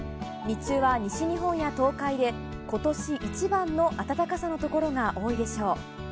日中は、西日本や東海で今年一番の暖かさのところが多いでしょう。